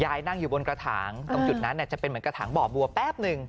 ยายนั่งอยู่บนกระถางตรงจุดนั้นเนี่ยจะเป็นเหมือนกระถางบอกมัวแปบนึง